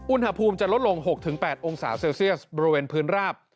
อุณหภูมิจะลดลง๖๘องศาเซลเซียสบริเวณพื้นราบ